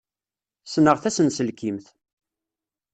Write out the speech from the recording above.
Ssneɣ tasenselkimt.